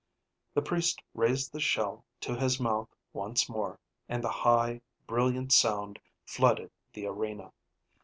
The priest raised the shell to his mouth once more, and the high, brilliant sound flooded the arena.